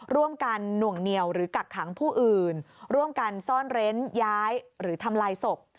ร่วมกันหน่วงเหนียวหรือกักขังผู้อื่นร่วมกันซ่อนเร้นย้ายหรือทำลายศพ